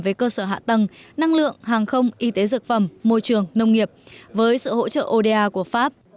về cơ sở hạ tầng năng lượng hàng không y tế dược phẩm môi trường nông nghiệp với sự hỗ trợ oda của pháp